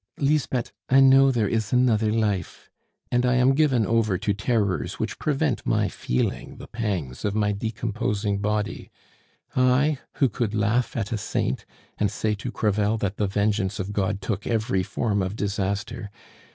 Lisbeth, I know there is another life! And I am given over to terrors which prevent my feeling the pangs of my decomposing body. I, who could laugh at a saint, and say to Crevel that the vengeance of God took every form of disaster.